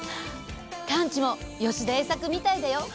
カンチも吉田栄作みたいだよ。